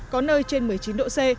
có nơi trên một mươi chín độ c